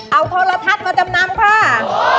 เอาโทรทัศน์มาจำนำค่ะ